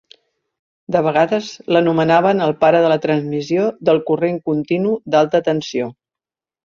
De vegades l'anomenaven "el pare de la transmissió del corrent continu d'alta tensió".